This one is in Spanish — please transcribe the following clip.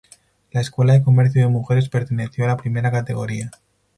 La Escuela de Comercio de mujeres perteneció a la primera categoría.